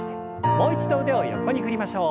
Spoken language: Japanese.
もう一度腕を横に振りましょう。